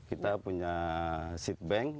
kita punya seed bank